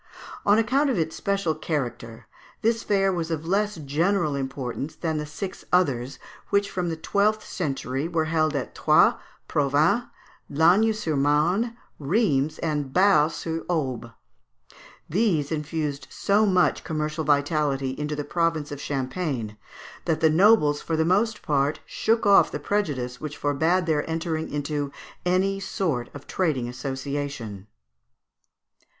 On account of its special character, this fair was of less general importance than the six others, which from the twelfth century were held at Troyes, Provins, Lagny sur Marne, Rheims, and Bar sur Aube. These infused so much commercial vitality into the province of Champagne, that the nobles for the most part shook off the prejudice which forbad their entering into any sort of trading association.